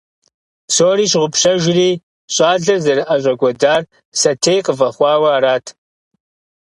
Псори щыгъупщэжри, щӏалэр зэрыӏэщӏэкӏуэдар сэтей къыфӏэхъуауэ арат.